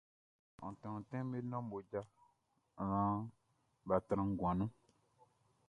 Ontin ontin be nɔn mmoja naan bʼa tran nguan nun.